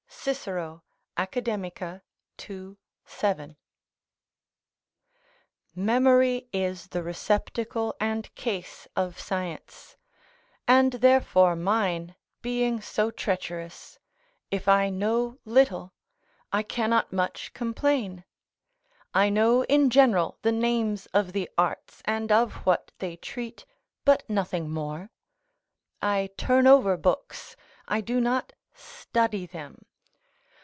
Cicero, Acad., ii. 7.] Memory is the receptacle and case of science: and therefore mine being so treacherous, if I know little, I cannot much complain. I know, in general, the names of the arts, and of what they treat, but nothing more. I turn over books; I do not study them.